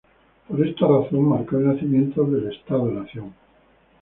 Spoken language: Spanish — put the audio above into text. Por esta razón, marcó el nacimiento del Estado nación.